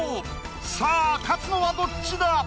さあ勝つのはどっちだ